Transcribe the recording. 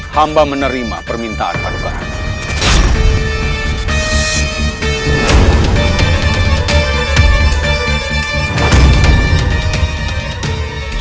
hamba menerima permintaan paduka raja